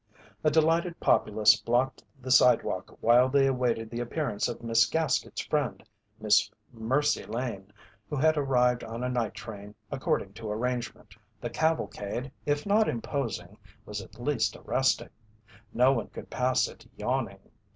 A delighted populace blocked the sidewalk while they awaited the appearance of Miss Gaskett's friend, Miss Mercy Lane, who had arrived on a night train according to arrangement. The cavalcade, if not imposing, was at least arresting. No one could pass it yawning.